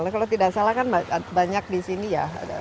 kalau tidak salah kan banyak di sini ya